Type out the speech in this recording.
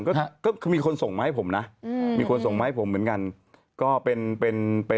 ก็คือมีคนส่งมาให้ผมนะอืมมีคนส่งมาให้ผมเหมือนกันก็เป็นเป็นเป็น